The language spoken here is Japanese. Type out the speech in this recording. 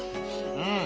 うん！